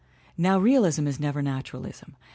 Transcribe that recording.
Now realism is never naturalism.